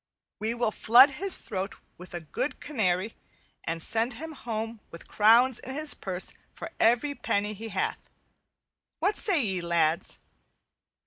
We will flood his throat with good canary and send him home with crowns in his purse for every penny he hath. What say ye, lads?"